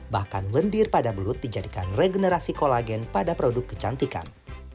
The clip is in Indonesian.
bahkan lendir pada belut dijadikan regenerasi kolagen pada produk kecantikan